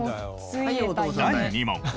第２問。